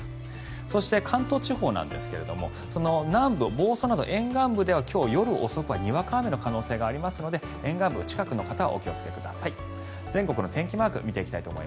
そして関東地方なんですけれども南部、房総など沿岸部では今日夜遅くはにわか雨の可能性がありますので沿岸部近くの方はお気をつけください。